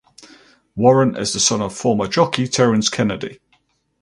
Warren is the son of former jockey Terrence Kennedy.